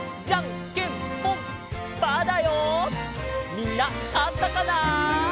みんなかったかな？